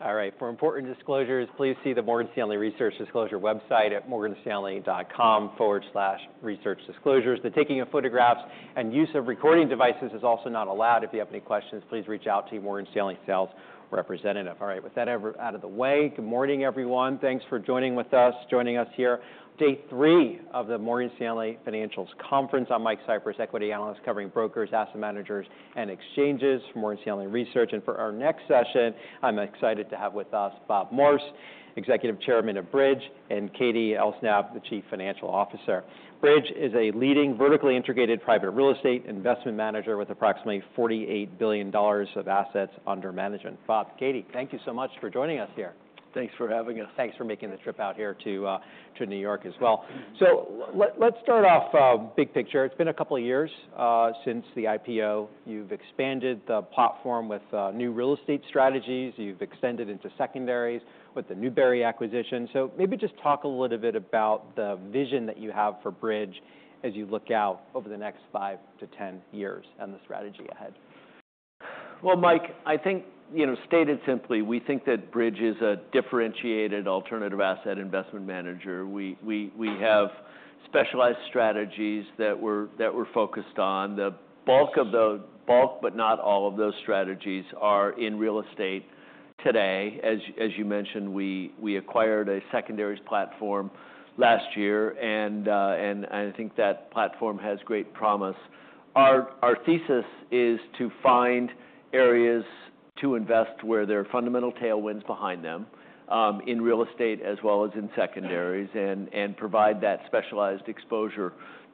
All right. For important disclosures, please see the Morgan Stanley research disclosure website at morganstanley.com/researchdisclosures. The taking of photographs and use of recording devices is also not allowed. If you have any questions, please reach out to Morgan Stanley sales representative. All right, with that out of the way, good morning everyone. Thanks for joining with us. Joining us here, day three of the Morgan Stanley Financials Conference. I'm Mike Cyprys, equity analyst covering brokers, asset managers and exchanges for Morgan Stanley Research. And for our next session, I'm excited to have with us Bob Morse, executive chairman of Bridge and Katie Elsnab, the Chief Financial Officer. Bridge is a leading vertically integrated private real estate investment manager with approximately $48 billion of assets under management. Bob, Katie, thank you so much for joining us here. Thanks for having us. Thanks for making the trip out here to New York as well. Let's start off big picture. It's been a couple of years since the IPO. You've expanded the platform with new real estate strategies. You've extended into secondaries with the Newbury acquisition. Maybe just talk a little bit about the vision that you have for Bridge as you look out over the next five to 10 years and the strategy ahead. Well, Mike, I think you know, stated simply, we think that Bridge is a differentiated alternative asset investment manager. We have specialized strategies that we're focused on the bulk of the bulk. But not all of those strategies are in real estate today. As you mentioned, we acquired a secondary platform last year and I think that platform has great promise. Our thesis is to find areas to invest where there are fundamental tailwinds behind them in real estate as well as in secondaries and provide that specialized exposure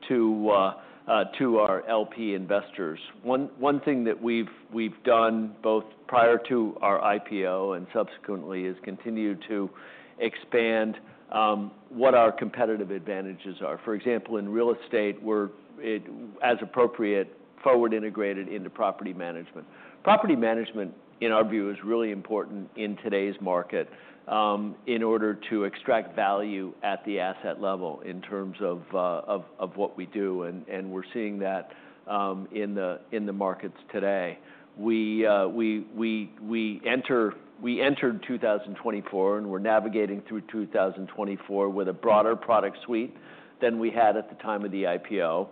to our LP investors. One thing that we've done both prior to our IPO and subsequently is continue to expand what our competitive advantages are. For example, in real estate, we're, as appropriate, forward integrated into property management. Property management, in our view, is really important in today's market in order to extract value at the asset level in terms of what we do. And we're seeing that in the markets today. We entered 2024 and we're navigating through 2024 with a broader product suite than we had at the time of the IPO.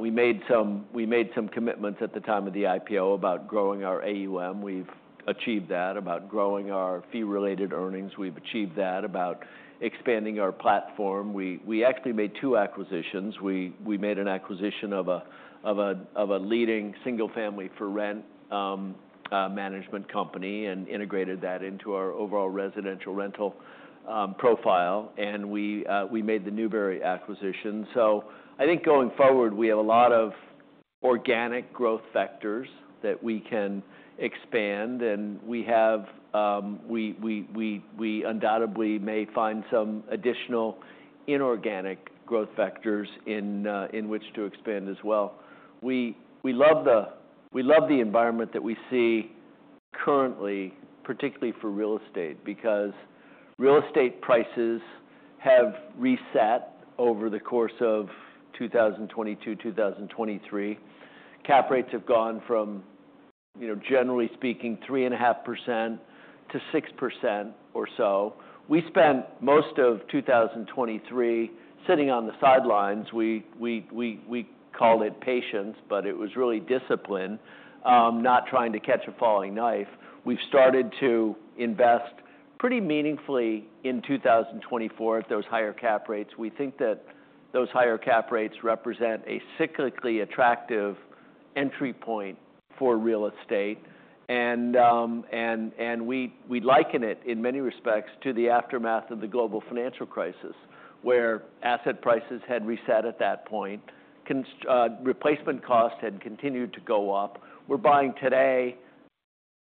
We made some commitments at the time of the IPO about growing our AUM, we've achieved that, about growing our fee-related earnings, we've achieved that. About expanding our platform. We actually made two acquisitions. We made an acquisition of a leading single-family for-rent management company and integrated that into our overall residential rental profile and we made the Newbury acquisition. So I think going forward, we have a lot of organic growth factors that we can expand and we have, we undoubtedly may find some additional inorganic growth factors in which to expand as well. We love the environment that we see currently, particularly for real estate, because real estate prices have reset over the course of 2022, 2023, cap rates have gone from, you know, generally speaking, 3.5%-6% or so. We spent most of 2023 sitting on the sidelines. We called it patience, but it was really discipline, not trying to catch a falling knife. We've started to invest pretty meaningfully in 2024 at those higher cap rates. We think that those higher cap rates represent a cyclically attractive entry point for real estate. We liken it in many respects to the aftermath of the global financial crisis where asset prices had reset. At that point, replacement costs had continued to go up. We're buying today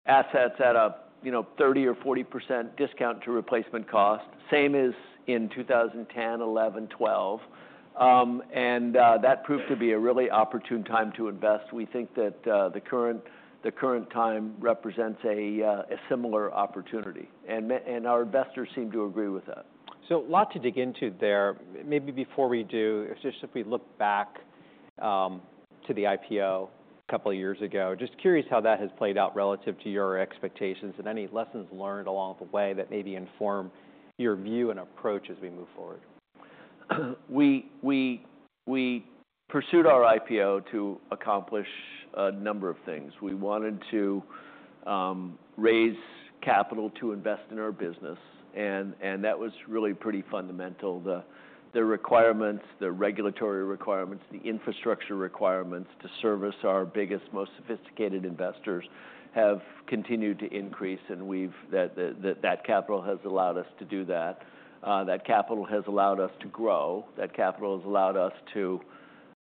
assets at a 30%-40% discount to replacement cost, same as in 2010, 2011, 2012, and that proved to be a really opportune time to invest. We think that the current, the current time represents a similar opportunity and our investors seem to agree with that. So a lot to dig into there. Maybe before we do, just if we look back to the IPO a couple of years ago, just curious how that has played out relative to your expectations and any lessons learned along the way that maybe inform your view and approach as we move forward? We pursued our IPO to accomplish a number of things. We wanted to raise capital to invest in our business. That was really pretty fundamental. The requirements, the regulatory requirements, the infrastructure requirements to service our biggest, most sophisticated investors have continued to increase. That capital has allowed us to do that. That capital has allowed us to grow. That capital has allowed us to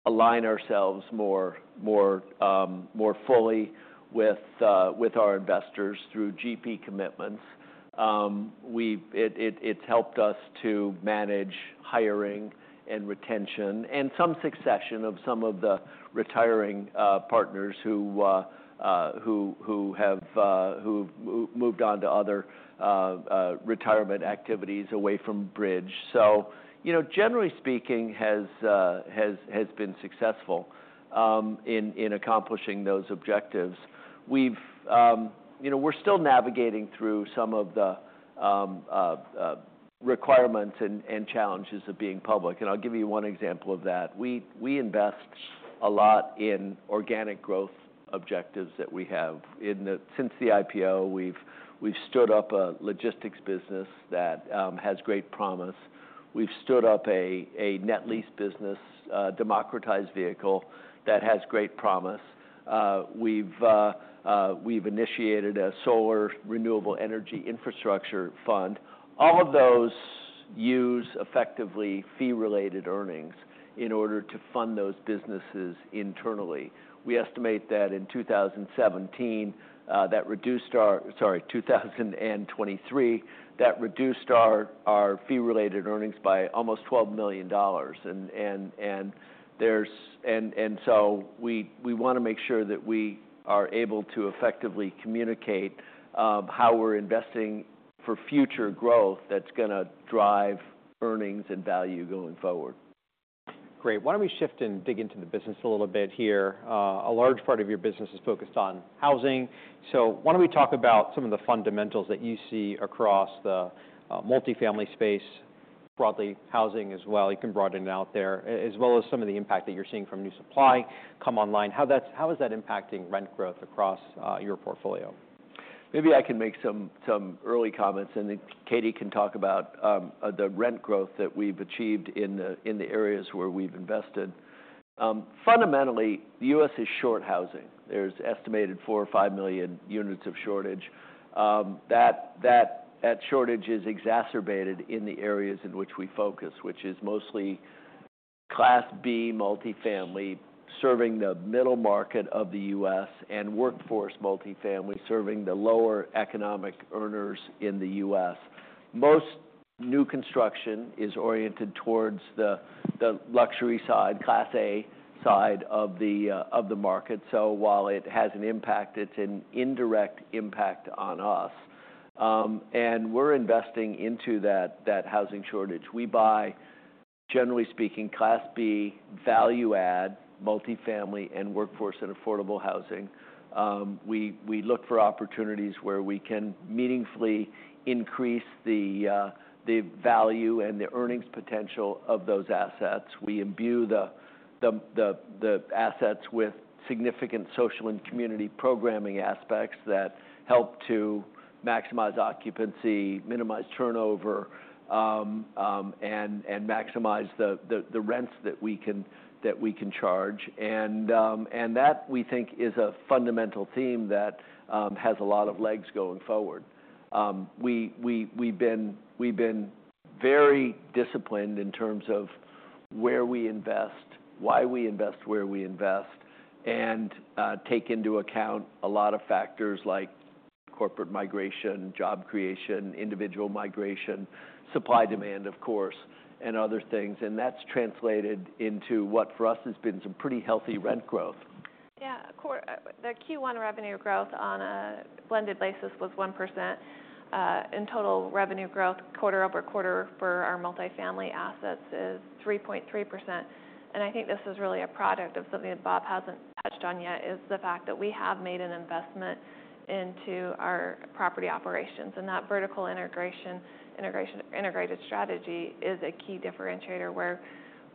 align ourselves more fully with our investors through GP commitments. It's helped us to manage hiring and retention and some succession of some of the retiring partners who moved on to other retirement activities away from Bridge. You know, generally speaking, it has been successful in accomplishing those objectives. You know, we're still navigating through some of the requirements and challenges of being public. I'll give you one example of that. We invest a lot in organic growth objectives that we have in that since the IPO, we've stood up a logistics business that has great promise. We've stood up a net lease business, democratized vehicle that has great promise. We've initiated a solar renewable energy infrastructure fund. All of those use effectively fee-related earnings in order to fund those businesses internally. We estimate that in 2023 that reduced our fee-related earnings by almost $12 million. So we want to make sure that we are able to effectively communicate how we're investing for future growth that's going to drive earnings and value going forward. Great. Why don't we shift and dig into the business a little bit here? A large part of your business is focused on housing. So why don't we talk about some of the fundamentals that you see across the multifamily space, broadly housing as well. You can broaden out there as well as some of the impact that you're seeing from new supply come online. How is that impacting rent growth across your portfolio? Maybe I can make some early comments and Katie can talk about the rent growth that we've achieved in the areas where we've invested. Fundamentally, the U.S. is short housing. There's an estimated four or five million units of shortage. The shortage is exacerbated in the areas in which we focus, which is mostly Class B multifamily serving the middle market of the U.S. and workforce multifamily serving the lower economic earners in the U.S. Most new construction is oriented towards the luxury side, Class A side of the market. So while it has an impact, it's an indirect impact on us and we're investing into that housing shortage. We buy, generally speaking, Class B value add, multifamily and workforce and affordable housing. We look for opportunities where we can meaningfully increase the value and the earnings potential of those assets. We imbue the assets with significant social and community programming aspects that help to maximize occupancy, minimize turnover, and maximize the rents that we can charge. And that we think is a fundamental theme that has a lot of legs going forward. We've been very disciplined in terms of where we invest, why we invest, where we invest, and take into account a lot of factors like corporate migration, job creation, individual migration, supply, demand of course, and other things. And that's translated into what for us has been some pretty healthy rent growth. Yeah, the Q1 revenue growth on a blended basis was 1% in total revenue growth quarter over quarter for our multifamily assets is 3.3%. And I think this is really a product of something that Bob hasn't touched on yet is the fact that we have made an investment into our property operations and that vertical integration integrated strategy is a key differentiator where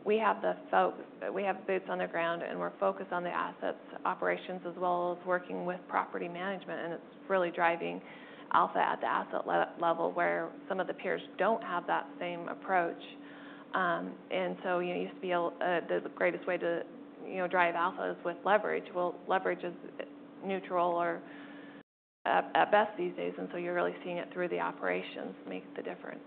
we have the folks, we have boots on the ground, and we're focused on the assets operations as well as working with property management. And it's really driving alpha at the asset level where some of the peers don't have that same approach. And so it used to be the greatest way to drive alpha is with leverage. Well, leverage is neutral or at best these days. And so you're really seeing it through. The operations make the difference.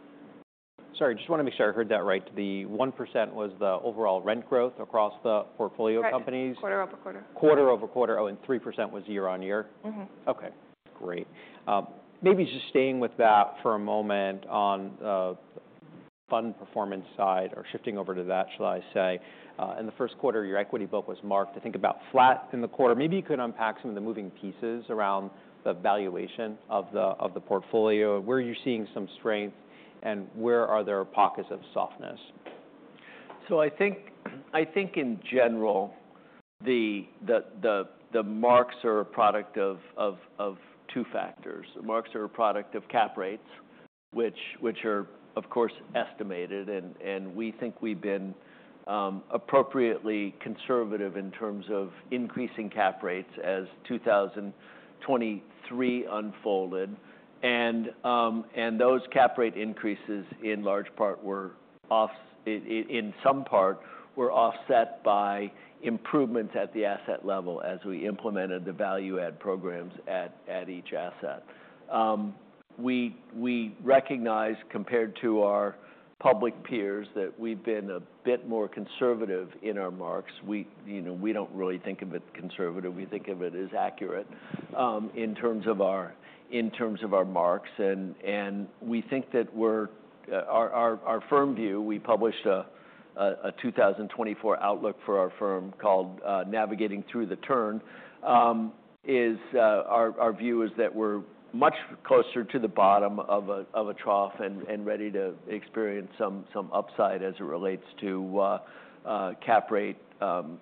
Sorry, just want to make sure I heard that right. The 1% was the overall rent growth across the portfolio companies quarter-over-quarter, quarter-over-quarter. Oh, and 3% was year-on-year. Mmmh Okay, great. Maybe just staying with that for a moment on fund performance side or shifting over to that, shall I say, in the first quarter, your equity book was marked, I think about flat in the quarter. Maybe you could unpack some of the moving pieces around the valuation of the, of the portfolio where you're seeing some strength and where are there pockets of softness. So I think, I think in general, the marks are a product of two factors. Marks are a product of cap rates, which are of course estimated. And we think we've been appropriately conservative in terms of increasing cap rates as 2023 unfolded. And those cap rate increases in large part were offset by improvements at the asset level as we implemented the value add programs at each asset. We recognize compared to our public peers, that we've been a bit more conservative in our marks. We don't really think of it conservative. We think of it as accurate in terms of our marks. And we think that we're. Our firm view. We published a 2024 outlook for our firm called Navigating through the Turn is. Our view is that we're much closer to the bottom of a trough and ready to experience some upside as it relates to cap rate.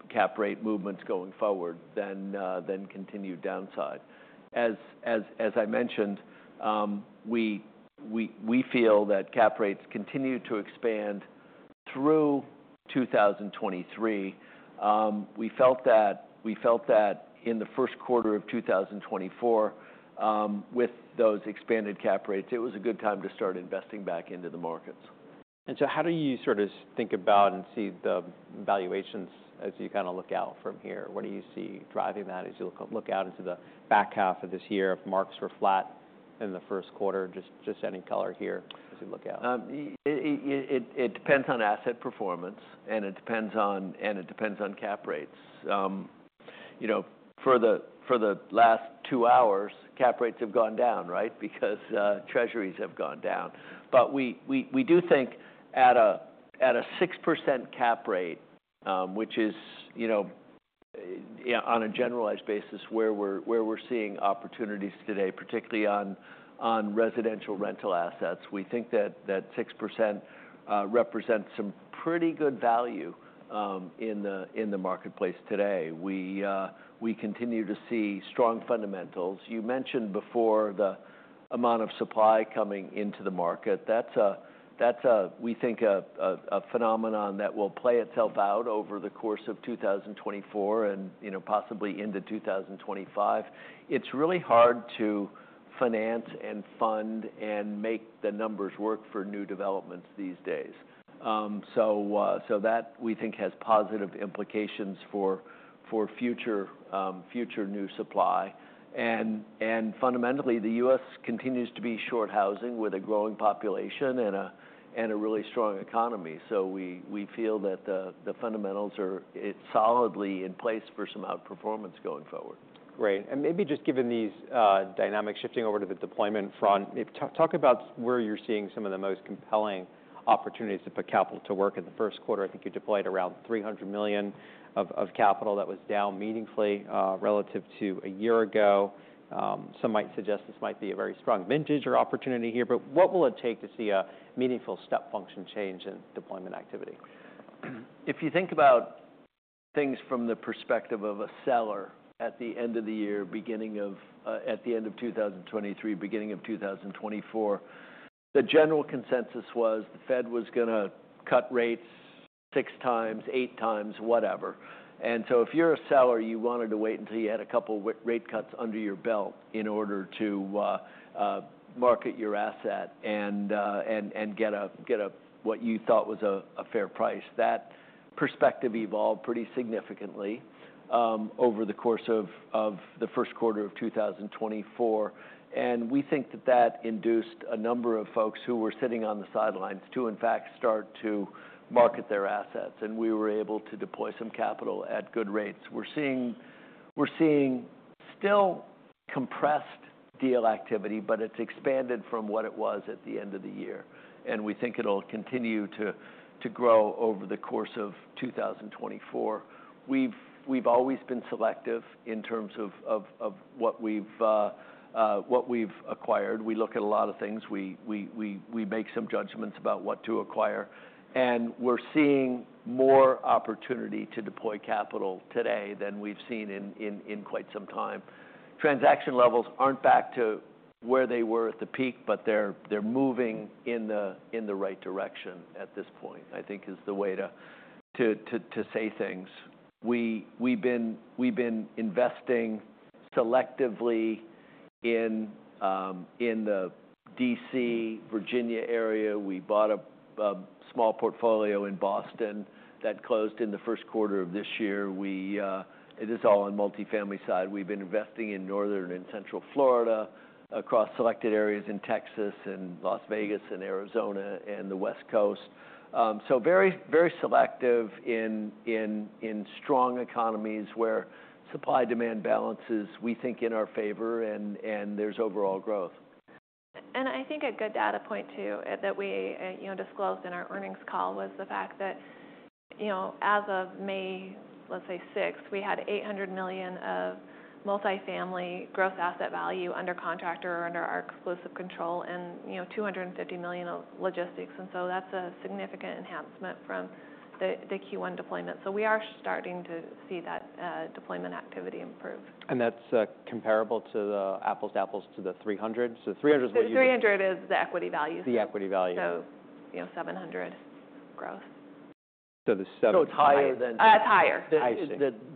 cap rate movements going forward. Then continued downside side, as I mentioned, we feel that cap rates continue to expand through 2023. We felt that in the first quarter of 2024 with those expanded cap rates, it was a good time to start investing back into the markets. So how do you sort of think about and see the valuations as you kind of look out from here? What do you see driving that as you look out into the back half of this year? Marks were flat in the first quarter. Just, just any color here. As you look out, it depends on asset performance and it depends on cap rates. You know, for the last two hours, cap rates have gone down, right. Because Treasuries have gone down. But we do think at a 6% cap rate, which is, you know, on a generalized basis where we're seeing opportunities today, particularly on residential rental assets, we think that 6% represents some pretty good value in the marketplace today. We continue to see strong fundamentals. You mentioned before the amount of supply coming into the market. That's, we think, a phenomenon that will play itself out over the course of 2024 and you know, possibly into 2025. It's really hard to finance and fund and make the numbers work for new developments these days. So, that we think has positive implications for future new supply. And fundamentally, the U.S. continues to be short housing with a growing population and a really strong economy. So we feel that the fundamentals are solidly in place for some outperformance going forward. Great. And maybe just given these dynamics shifting over to the deployment front, talk about where you're seeing some of the most compelling opportunities to put capital to work. In the first quarter, I think you deployed around $300 million of capital that was down meaningfully relative to a year ago. Some might suggest this might be a very strong vintage or opportunity here. But what will it take to see a meaningful step, function change in deployment activity? If you think about things from the perspective of a seller at the end of the year, beginning of, at the end of 2023, beginning of 2024, the general consensus was the Fed was going to cut rates 6 times, 8 times, whatever. And so if you're a seller, you wanted to wait until you had a couple rate cuts under your belt in order to market your asset and, and get a, get a, what you thought was a fair price. That perspective evolved pretty significantly over the course of, of the first quarter of 2024. And we think that that induced a number of folks who were sitting on the sidelines to in fact start to market their assets. And we were able to deploy some capital at good rates. We're seeing still compressed deal activity, but it's expanded from what it was at the end of the year and we think it'll continue to grow over the course of 2024. We've always been selective in terms of what we've acquired. We look at a lot of things. We make some judgments about what to acquire and we're seeing more opportunity to deploy capital today than we've seen in quite some time. Transaction levels aren't back to where they were at the peak, but they're moving in the right direction at this point. I think is the way to say things. We've been investing selectively in the D.C. Virginia area. We bought a small portfolio in Boston that closed in the first quarter of this year. It is all on multifamily side. We've been investing in Northern and Central Florida, across selected areas in Texas and Las Vegas and Arizona and the West Coast. So very, very selective in strong economies where supply, demand balances, we think in our favor and there's overall growth. I think a good data point too that we disclosed in our earnings call was the fact that, you know, as of May, let's say sixth, we had $800 million of multifamily gross asset value under contract or under our exclusive control and you know, $250 million of logistics. So that's a significant enhancement from the Q1 deployment. So we are starting to see that. Deployment activity improve And that's comparable to the apples to apples to the 300. So 300 is what you do. $300 is the equity value. The equity value. You know, 700 growth. So the $7 higher.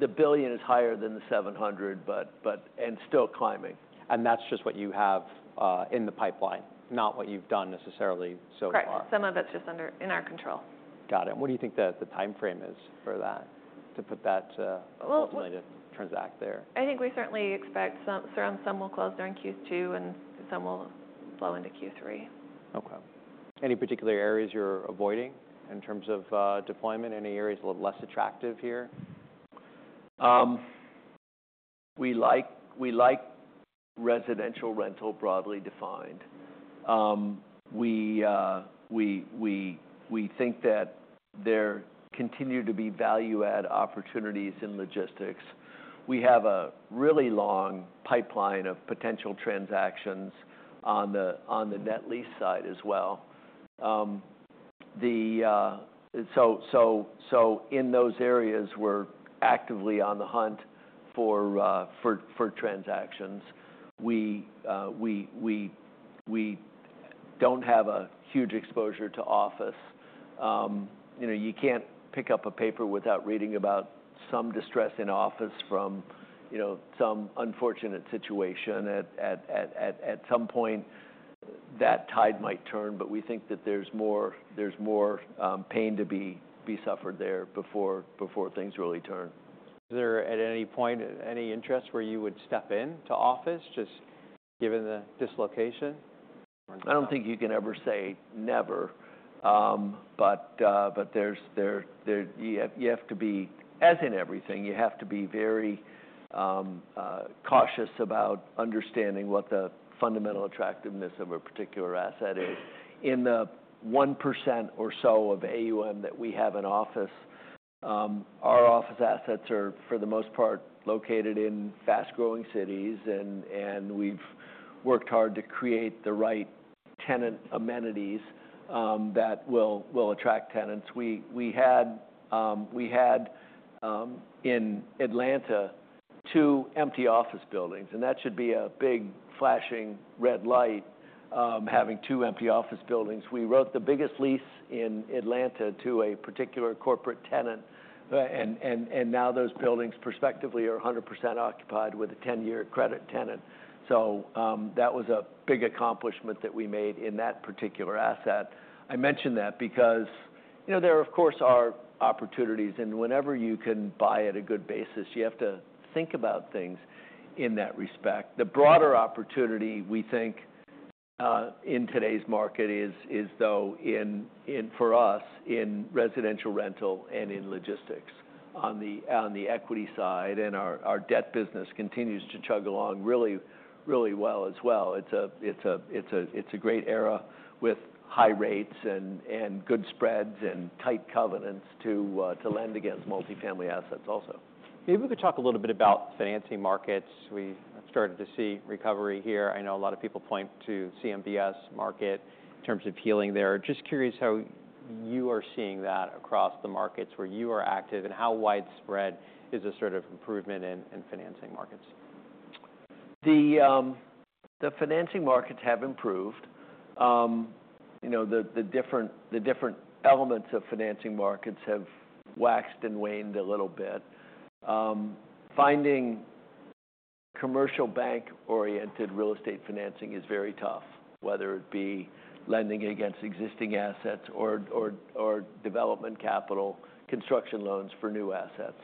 The billion is higher than the $700 but and still climbing. That's just what you have in the pipeline, not what you've done necessarily. Some of it's just under, in our control. Got it. What do you think that the time frame is for that to put that transaction there? I think we certainly expect some, some will close during Q2 and some will flow into Q3. Okay, any particular areas you're avoiding in terms of deployment? Any areas a little less attractive here? We like residential rental, broadly defined. We think that there continue to be value add opportunities in logistics. We have a really long pipeline of potential transactions on the net lease side as well. So in those areas we're actively on the hunt for transactions. We don't have a huge exposure to office. You know, you can't pick up a paper without reading about some distress in office from, you know, some unfortunate situation. At some point that tide might turn, but we think that there's more, there's more pain to be suffered there before things really turn. Is there at any point any interest where you would step in to office just given the dislocation? I don't think you can ever say never. But you have to be, as in everything, you have to be very cautious about understanding what the fundamental attractiveness of a particular asset is. In the 1% or so of AUM that we have in office. Our office assets are for the most part located in fast-growing cities and we've worked hard to create the right tenant amenities that will attract tenants. We had, we had in Atlanta 2 empty office buildings and that should be a big flashing red light having 2 empty office buildings. We wrote the biggest lease in Atlanta to a particular corporate tenant and now those buildings prospectively are 100% occupied with a 10-year credit tenant. So that was a big accomplishment that we made in that particular, particular asset. I mention that because, you know, there, of course, are opportunities, and whenever you can buy at a good basis, you have to think about things in that respect. The broader opportunity we think in today's market is, though, in—for us—in residential rental and in logistics on the, on the equity side. And our debt business continues to chug along really, really well as well. It's a great era with high rates and good spreads and tight covenants to lend against multifamily assets. Also, maybe we could talk a little bit about financing markets. We started to see recovery here. I know a lot of people point to CMBS market in terms of healing there. Just curious how you are seeing that across the markets where you are active and how widespread is a sort of improvement in financing markets? The financing markets have improved. You know, the different elements of financing markets have waxed and waned a little bit. Finding commercial bank oriented real estate financing is very tough. Whether it be lending against existing assets or development capital construction loans for new assets.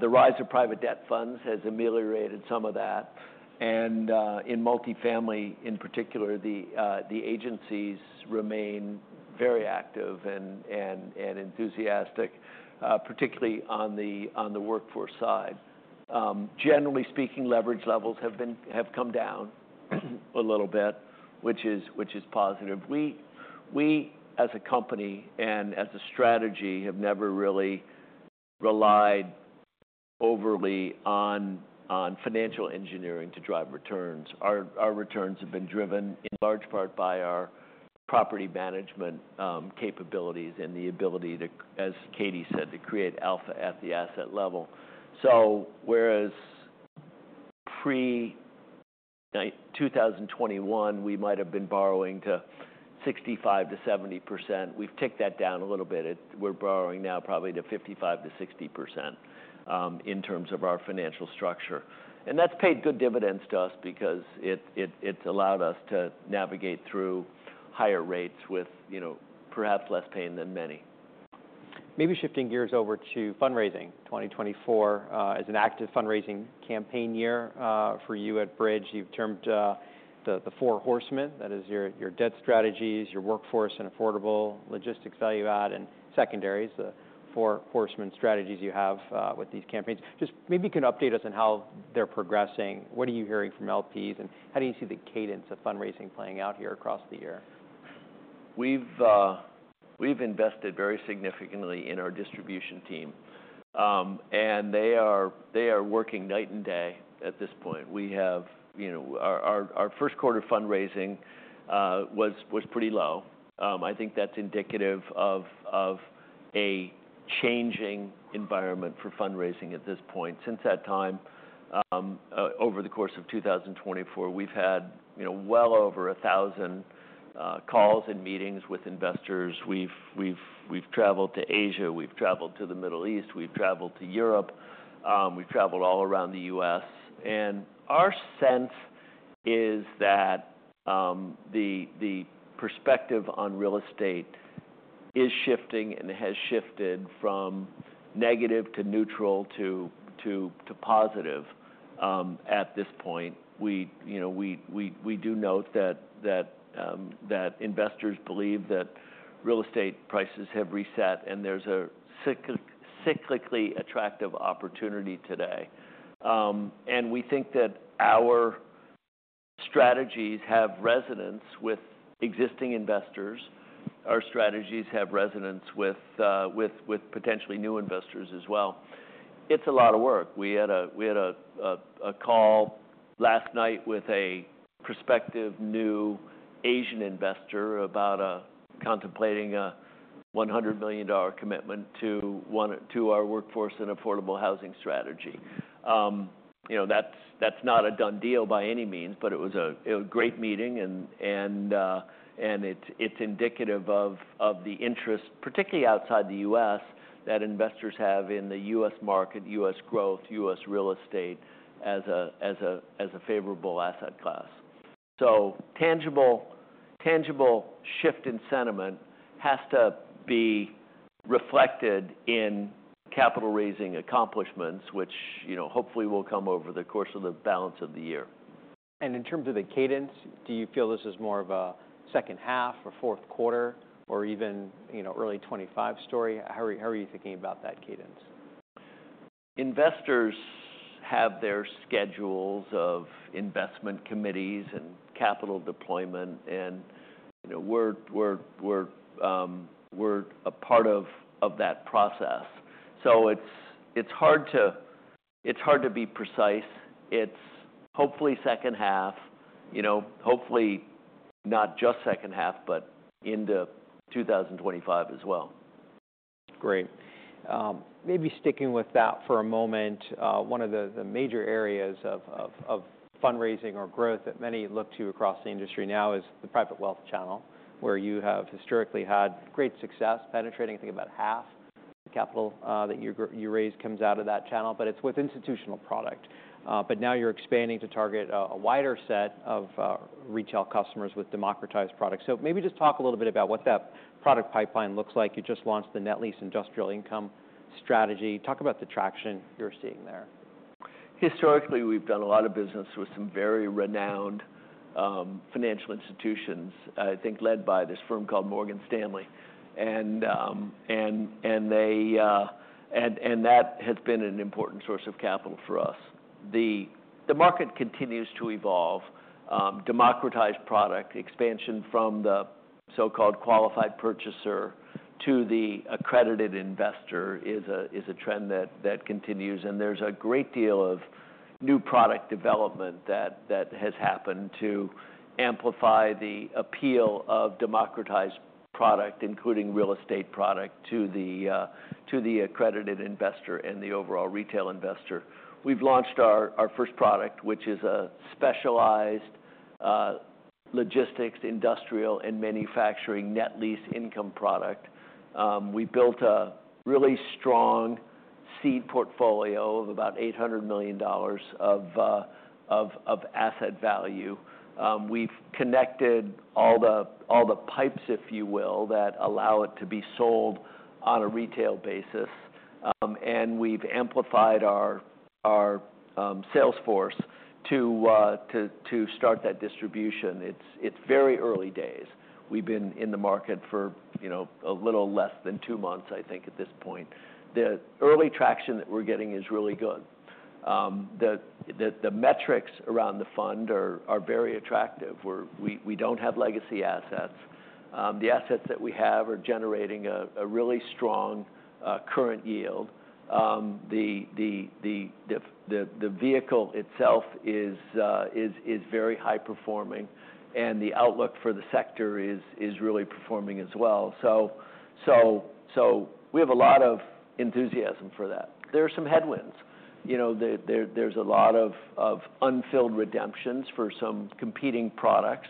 The rise of private debt funds has ameliorated some of that. In multifamily in particular, the agencies remain very active and enthusiastic, particularly on the workforce side. Generally speaking, leverage levels have come down a little bit, which is positive. We as a company and as a strategy have never really relied overly on financial engineering to drive returns. Our returns have been driven in large part by our property management capabilities and the ability, as Katie said, to create alpha at the asset level. Whereas pre-2021 we might have been borrowing to 65%-70%, we've ticked that down a little bit. We're borrowing now probably to 55%-60% in terms of our financial structure. That's paid good dividends to us because it's allowed us to navigate through higher rates with perhaps less pain than many maybe should. Shifting gears over to fundraising. 2024 is an active fundraising campaign year for you. At Bridge you've termed the Four Horsemen. That is your debt strategies, your workforce and affordable housing, logistics, value add and secondaries. The Four Horsemen strategies you have with these campaigns. Just maybe you can update us on how they're progressing. What are you hearing from LPs and how do you see the cadence of fundraising playing out here? Across the year. We've invested very significantly in our distribution team and they are working night and day at this point. We have, you know, our first quarter fundraising was pretty low. I think that's indicative of a changing environment for fundraising at this point. Since that time, over the course of 2024, we've had well over 1,000 calls and meetings with investors. We've traveled to Asia, we've traveled to the Middle East, we've traveled to Europe, we've traveled all around the U.S and our sense is that the perspective on real estate is shifting and has shifted from negative to neutral. Neutral to positive at this point. We, you know, we do note that investors believe that real estate prices have reset and there's a cyclically attractive opportunity today. And we think that our strategies have resonance with existing investors. Our strategies have resonance with potentially new investors as well. It's a lot of work. We had a call last night with a prospective new Asian investor about contemplating a $100 million commitment to our workforce and affordable housing strategy. You know, that's not a done deal by any means, but it was a great meeting. And, and it's indicative of the interest, particularly outside the U.S. that investors have in the U.S. market. U.S. growth, U.S. real estate as a favorable asset class. So tangible shift in sentiment has to be reflected in capital raising accomplishments which hopefully will come over the course of the balance of the year. In terms of the cadence, do you feel this is more of a second half or fourth quarter or even early 2025 story? How are you thinking about that cadence? Investors have their schedules of investment committees and capital deployment, and we're a part of that process. So it's hard to be precise. It's hopefully second half. You know, hopefully not just second half, but into 2025 as well. Great. Maybe sticking with that for a moment. One of the major areas of fundraising or growth that many look to across the industry now is the private wealth channel, where you have historically had great success penetrating. I think about half the capital that you raise comes out of that channel, but it's with institutional product. But now you're expanding to target a wider set of retail customers with democratized products. So maybe just talk a little bit about what that product pipeline looks like. You just launched the Net Lease Industrial Income strategy. Talk about the traction you're seeing there. Historically, we've done a lot of business with some very renowned financial institutions, institutions I think led by this firm called Morgan Stanley. That has been an important source of capital for us. The market continues to evolve. Democratized product expansion from the so-called qualified purchaser to the accredited investor is a trend that continues. There's a great deal of new product development that has happened to amplify the appeal of democratized product, including real estate product to the accredited investor and the overall retail investor. We've launched our first product which is a specialized logistics, industrial and manufacturing net lease income product. We built a really strong seed portfolio of about $800 million of asset value. We've connected all the pipes, if you will, that allow it to be sold on a retail basis. And we've amplified our sales force to start that distribution. It's very early days. We've been in the market for, you know, a little less than two months. I think at this point the early traction that we're getting is really good. The metrics around the fund are very attractive. We don't have legacy assets. The assets that we have are generating a really strong current yield. The vehicle itself is very high performance performing and the outlook for the sector is really performing as well. So we have a lot of enthusiasm for that. There are some headwinds, there's a lot of unfilled redemptions for some competing products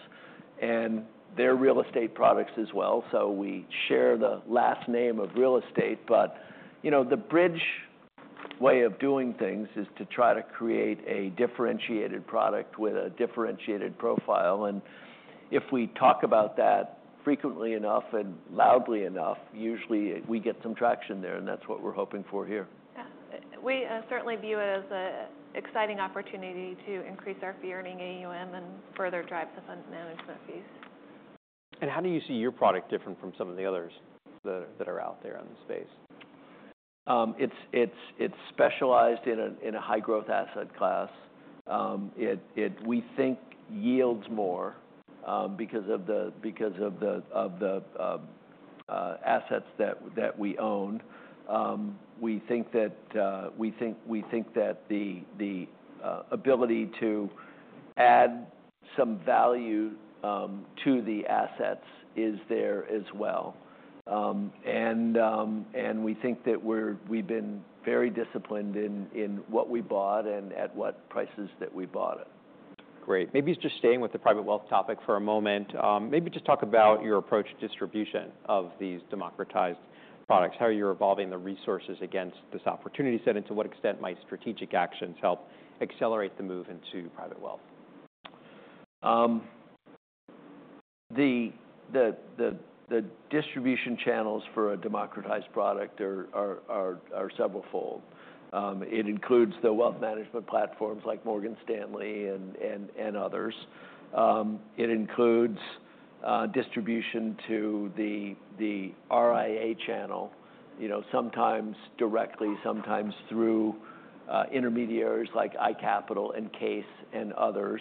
and they're real estate products as well. So we share the last name of real estate. But the Bridge way of doing things is to try to create a differentiated product with a differentiated profile. If we talk about that frequently enough and loudly enough, usually we get some traction there, and that's what we're hoping for here. We certainly view it as an exciting opportunity to increase our fee earning AUM and further drive the fund management fees. How do you see your product different from some of the others that are out there in the space? It's specialized in a high growth asset class we think yields more because of the assets that we own. We think that the ability to add some value to the assets is there as well. We think that we've been very disciplined in what we bought and at what prices that we bought it. Great. Maybe just staying with the private wealth topic for a moment, maybe just talk about your approach distribution of these democratized products. How are you evolving the resources against this opportunity set and to what extent might strategic actions help accelerate the move into private wealth? The distribution channels for a democratized product are several fold. It includes the wealth management platforms like Morgan Stanley and others. It includes distribution to the RIA channel, sometimes directly, sometimes through intermediaries like iCapital and CAIS and others.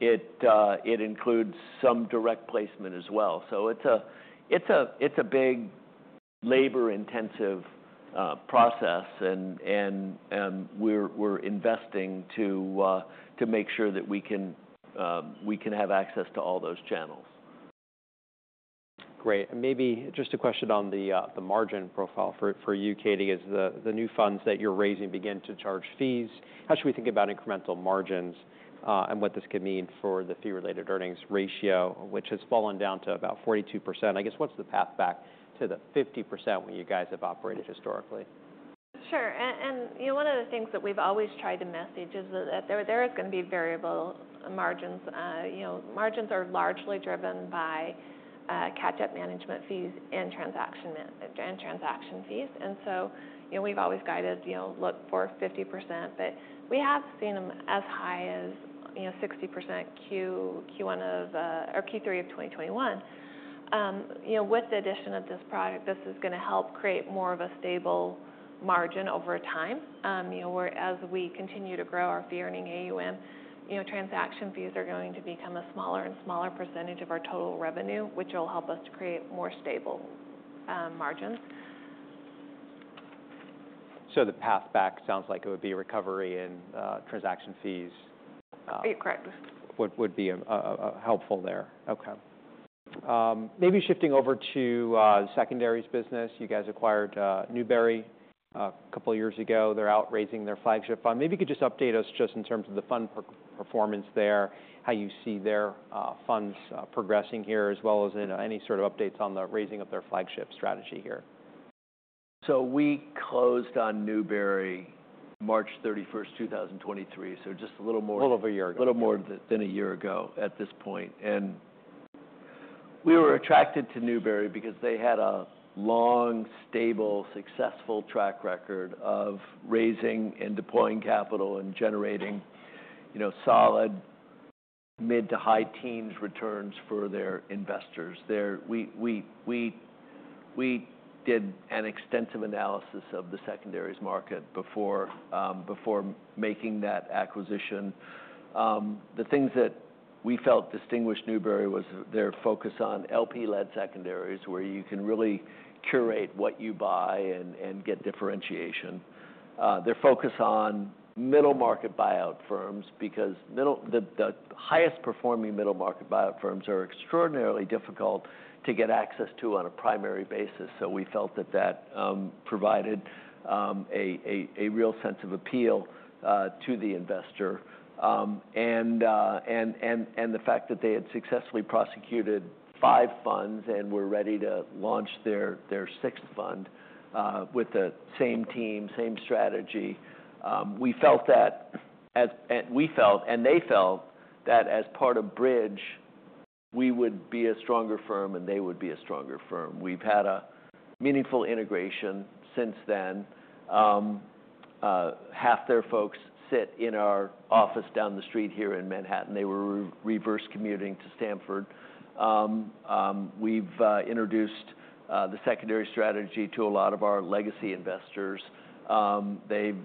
It includes some direct placement as well. So it's a big labor intensive process and we're investing to make sure that we can have access to all those channels. Great. And maybe just a question on the margin profile for you Katie. As the new funds that you're raising begin to charge fees, how should we think about incremental margins and what this could mean for the fee related earnings ratio which has fallen down to about 42% I guess. What's the path back to the 50% when you guys have operated historically? Sure. And you know one of the things that we've always tried to message is that there is going to be variable margins. You know margins are largely driven by catch-up management fees and transaction and transaction fees. And so we've always guided, look for 50% but we have seen them as high as 60% Q3 of 2021 with the addition of this product. This is going to help create more of a stable margin over time as we continue to grow our fee-earning AUM, transaction fees are going to become a smaller and smaller percentage of our total revenue which will help us to create more stable margins. The path back sounds like it would be a recovery in transaction fees. Correct. Would be helpful there. Okay. Maybe shifting over to secondaries business. You guys acquired Newbury a couple years ago. They're out raising their flagship fund. Maybe you could just update us just in terms of the fund per quarter performance there, how you see their funds progressing here as well as in any sort of updates on the raising of their flagship strategy here. So we closed on Newbury March 31, 2023. So just a little more than a year ago at this point. And we were attracted to Newbury because they had a long stable, successful track record of raising and deploying capital and generating, you know, solid mid- to high-teens returns for their investors there. We did an extensive analysis of the secondaries market before making that acquisition. The things that we felt distinguished Newbury was their focus on LP-led secondaries where you can really curate what you buy and get differentiation, their focus on middle market buyout firms because the highest performing middle market buyout firms are extraordinarily difficult to get access to on a primary basis. So we felt that that provided a real sense of appeal to the investor and the fact that they had successfully prosecuted five funds and were ready to launch their sixth fund with the same team, same strategy. We felt that, we felt and they felt that as part of Bridge we would be a stronger firm and they would be a stronger firm. We've had a meaningful integration since then. Half their focus folks sit in our office down the street here in Manhattan. They were reverse commuting to Stamford. We've introduced the secondary strategy to a lot of our legacy investors.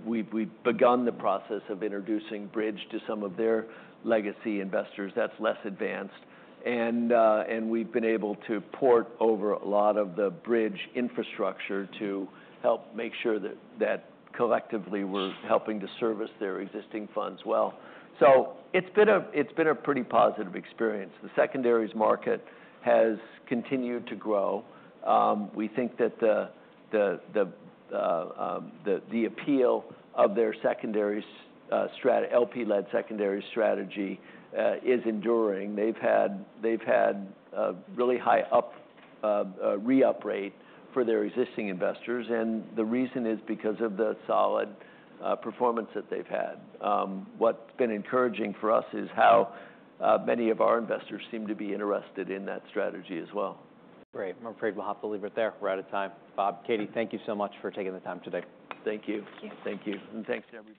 We've begun the process of introducing Bridge to some of their legacy investors. That's less advanced and we've been able to port over a lot of the Bridge infrastructure to help make sure that collectively we're helping to service their existing funds well. So it's been a pretty positive experience. The secondaries market has continued to grow. We think that the appeal of their secondary LP-led secondary strategy is enduring. They've had really high re-up rate for their existing investors and the reason is because of the solid performance that they've had. What's been encouraging for us is how many of our investors seem to be interested in that strategy as well. Great. I'm afraid we'll have to leave it there. We're out of time. Bob, Katie, thank you so much for taking the time today. Thank you. Thank you. And thanks to everybody.